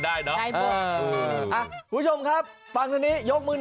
ไม่รู้ได้ยังไงไม่อิ่ม